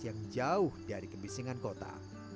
yang jauh dari kebisingan kota